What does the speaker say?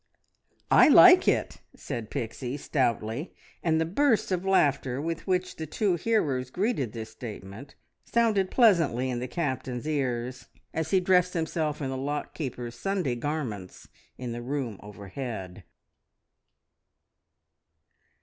"I like it!" said Pixie stoutly, and the burst of laughter with which the two hearers greeted this statement, sounded pleasantly in the Captain's ears as he dressed himself in the lock keeper's Sunday garments in the room overhead.